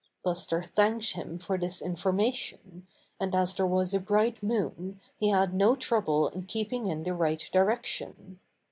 Buster thanked him for this information, and as there was a bright moon he had no trouble in keeping in the right direction.